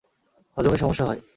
হজমে সমস্যা হয়।